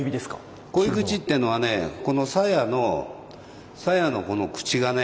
鯉口っていうのはねこの鞘の鞘のこの口がね